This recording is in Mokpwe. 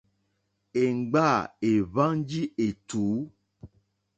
Èmgbâ èhwánjì ètùú.